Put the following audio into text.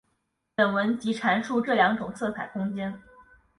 本文即阐述这两种色彩空间。